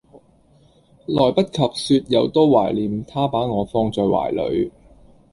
來不及說有多懷念他把我放在懷裏